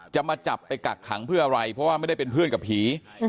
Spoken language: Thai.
จะมาจับไปกักขังเพื่ออะไรเพราะว่าไม่ได้เป็นเพื่อนกับผี